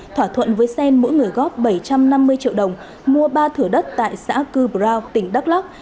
thỏa thuận với xen mỗi người góp bảy trăm năm mươi triệu đồng mua ba thửa đất tại xã cư brau tỉnh đắk lắc